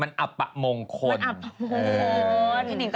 มันอับปะมงคลมันอับปะมงคล